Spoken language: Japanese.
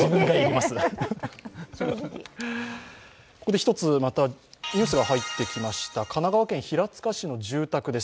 １つ、またニュースがはいってきました、神奈川県平塚市の住宅です。